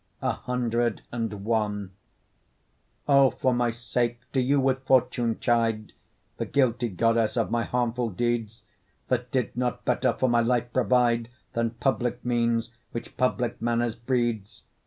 CXI O! for my sake do you with Fortune chide, The guilty goddess of my harmful deeds, That did not better for my life provide Than public means which public manners breeds.